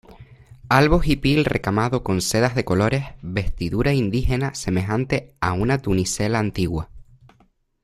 albo hipil recamado con sedas de colores, vestidura indígena semejante a una tunicela antigua